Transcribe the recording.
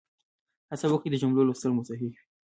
هڅه وکړئ چې د جملو لوستل مو صحیح وي.